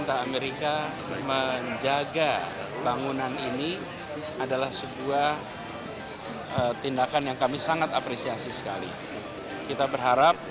dari pemerintah indonesia